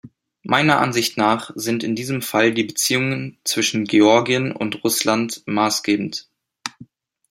Meiner Ansicht nach sind diesem Fall die Beziehungen zwischen Georgien und Russland maßgebend.